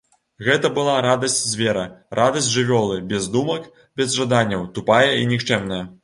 Гэта была радасць звера, радасць жывёлы, без думак, без жаданняў, тупая і нікчэмная.